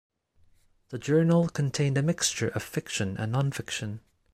The journal contained a mixture of fiction and nonfiction.